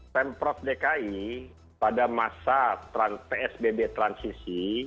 pemprov dki pada masa psbb transisi